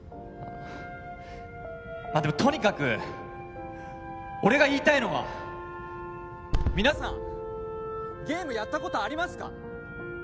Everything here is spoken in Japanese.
まあでもとにかく俺が言いたいのは皆さんゲームやったことありますか？